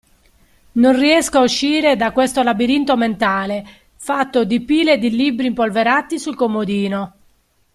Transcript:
Non riesco a uscire da questo labirinto mentale, fatto di pile di libri impolverati sul comodino.